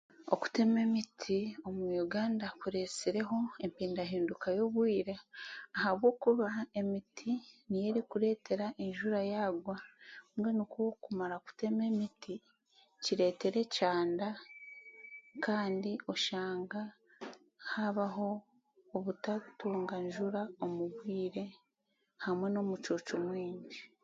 Okutema emiti omu Uganda kuresireho empindahinduka y'obwire aha bw'okuba emiti niyo erikureetera enjura yaagwa mbwenu ku orikumara kuteema emiti kireetera ekyanda kandi oshanga haabaho obutatunga njura omu bwire hamwe n'omucuucu mwingi